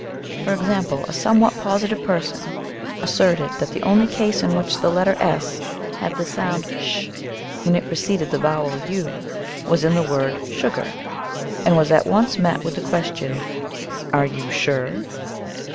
For example: a somewhat positive person asserted that the only case in which the letter s had the sound sh when it preceded the vowel u was in the word sugar, and was at once met with the question: "Are you sure?"